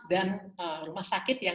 dan rumah sakit yang